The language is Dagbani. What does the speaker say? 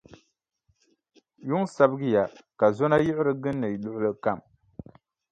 Yuŋ sabigiya, ka zɔna yiɣiri gindi luɣili kam.